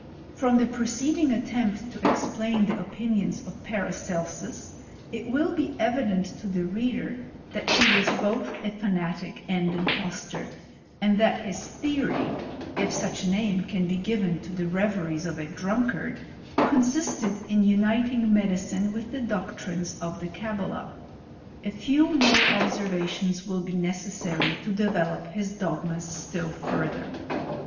From the preceding attempt to explain the opinions of Paracelsus, it will be evident to the reader that he was both a fanatic and impostor, and that his theory (if such a name can be given to the reveries of ik drunkard), consisted in uniting medicine with the doo' trines of the Cabala. A few more observations will be necessary to develop his dogmas still further.